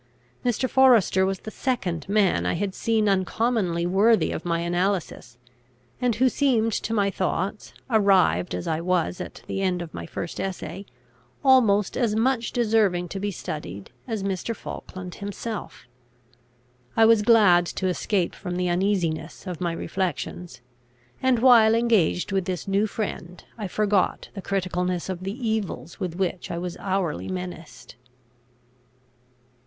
Mr. Forester was the second man I had seen uncommonly worthy of my analysis, and who seemed to my thoughts, arrived as I was at the end of my first essay, almost as much deserving to be studied as Mr. Falkland himself. I was glad to escape from the uneasiness of my reflections; and, while engaged with this new friend, I forgot the criticalness of the evils with which I was hourly menaced.